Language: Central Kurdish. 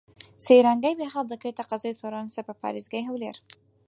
سەیرانگەی بێخاڵ دەکەوێتە قەزای سۆران سەر بە پارێزگای هەولێر.